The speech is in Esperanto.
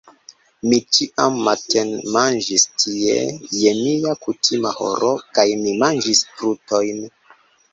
Mi ĉiam matenmanĝis tie je mia kutima horo, kaj mi manĝis trutojn.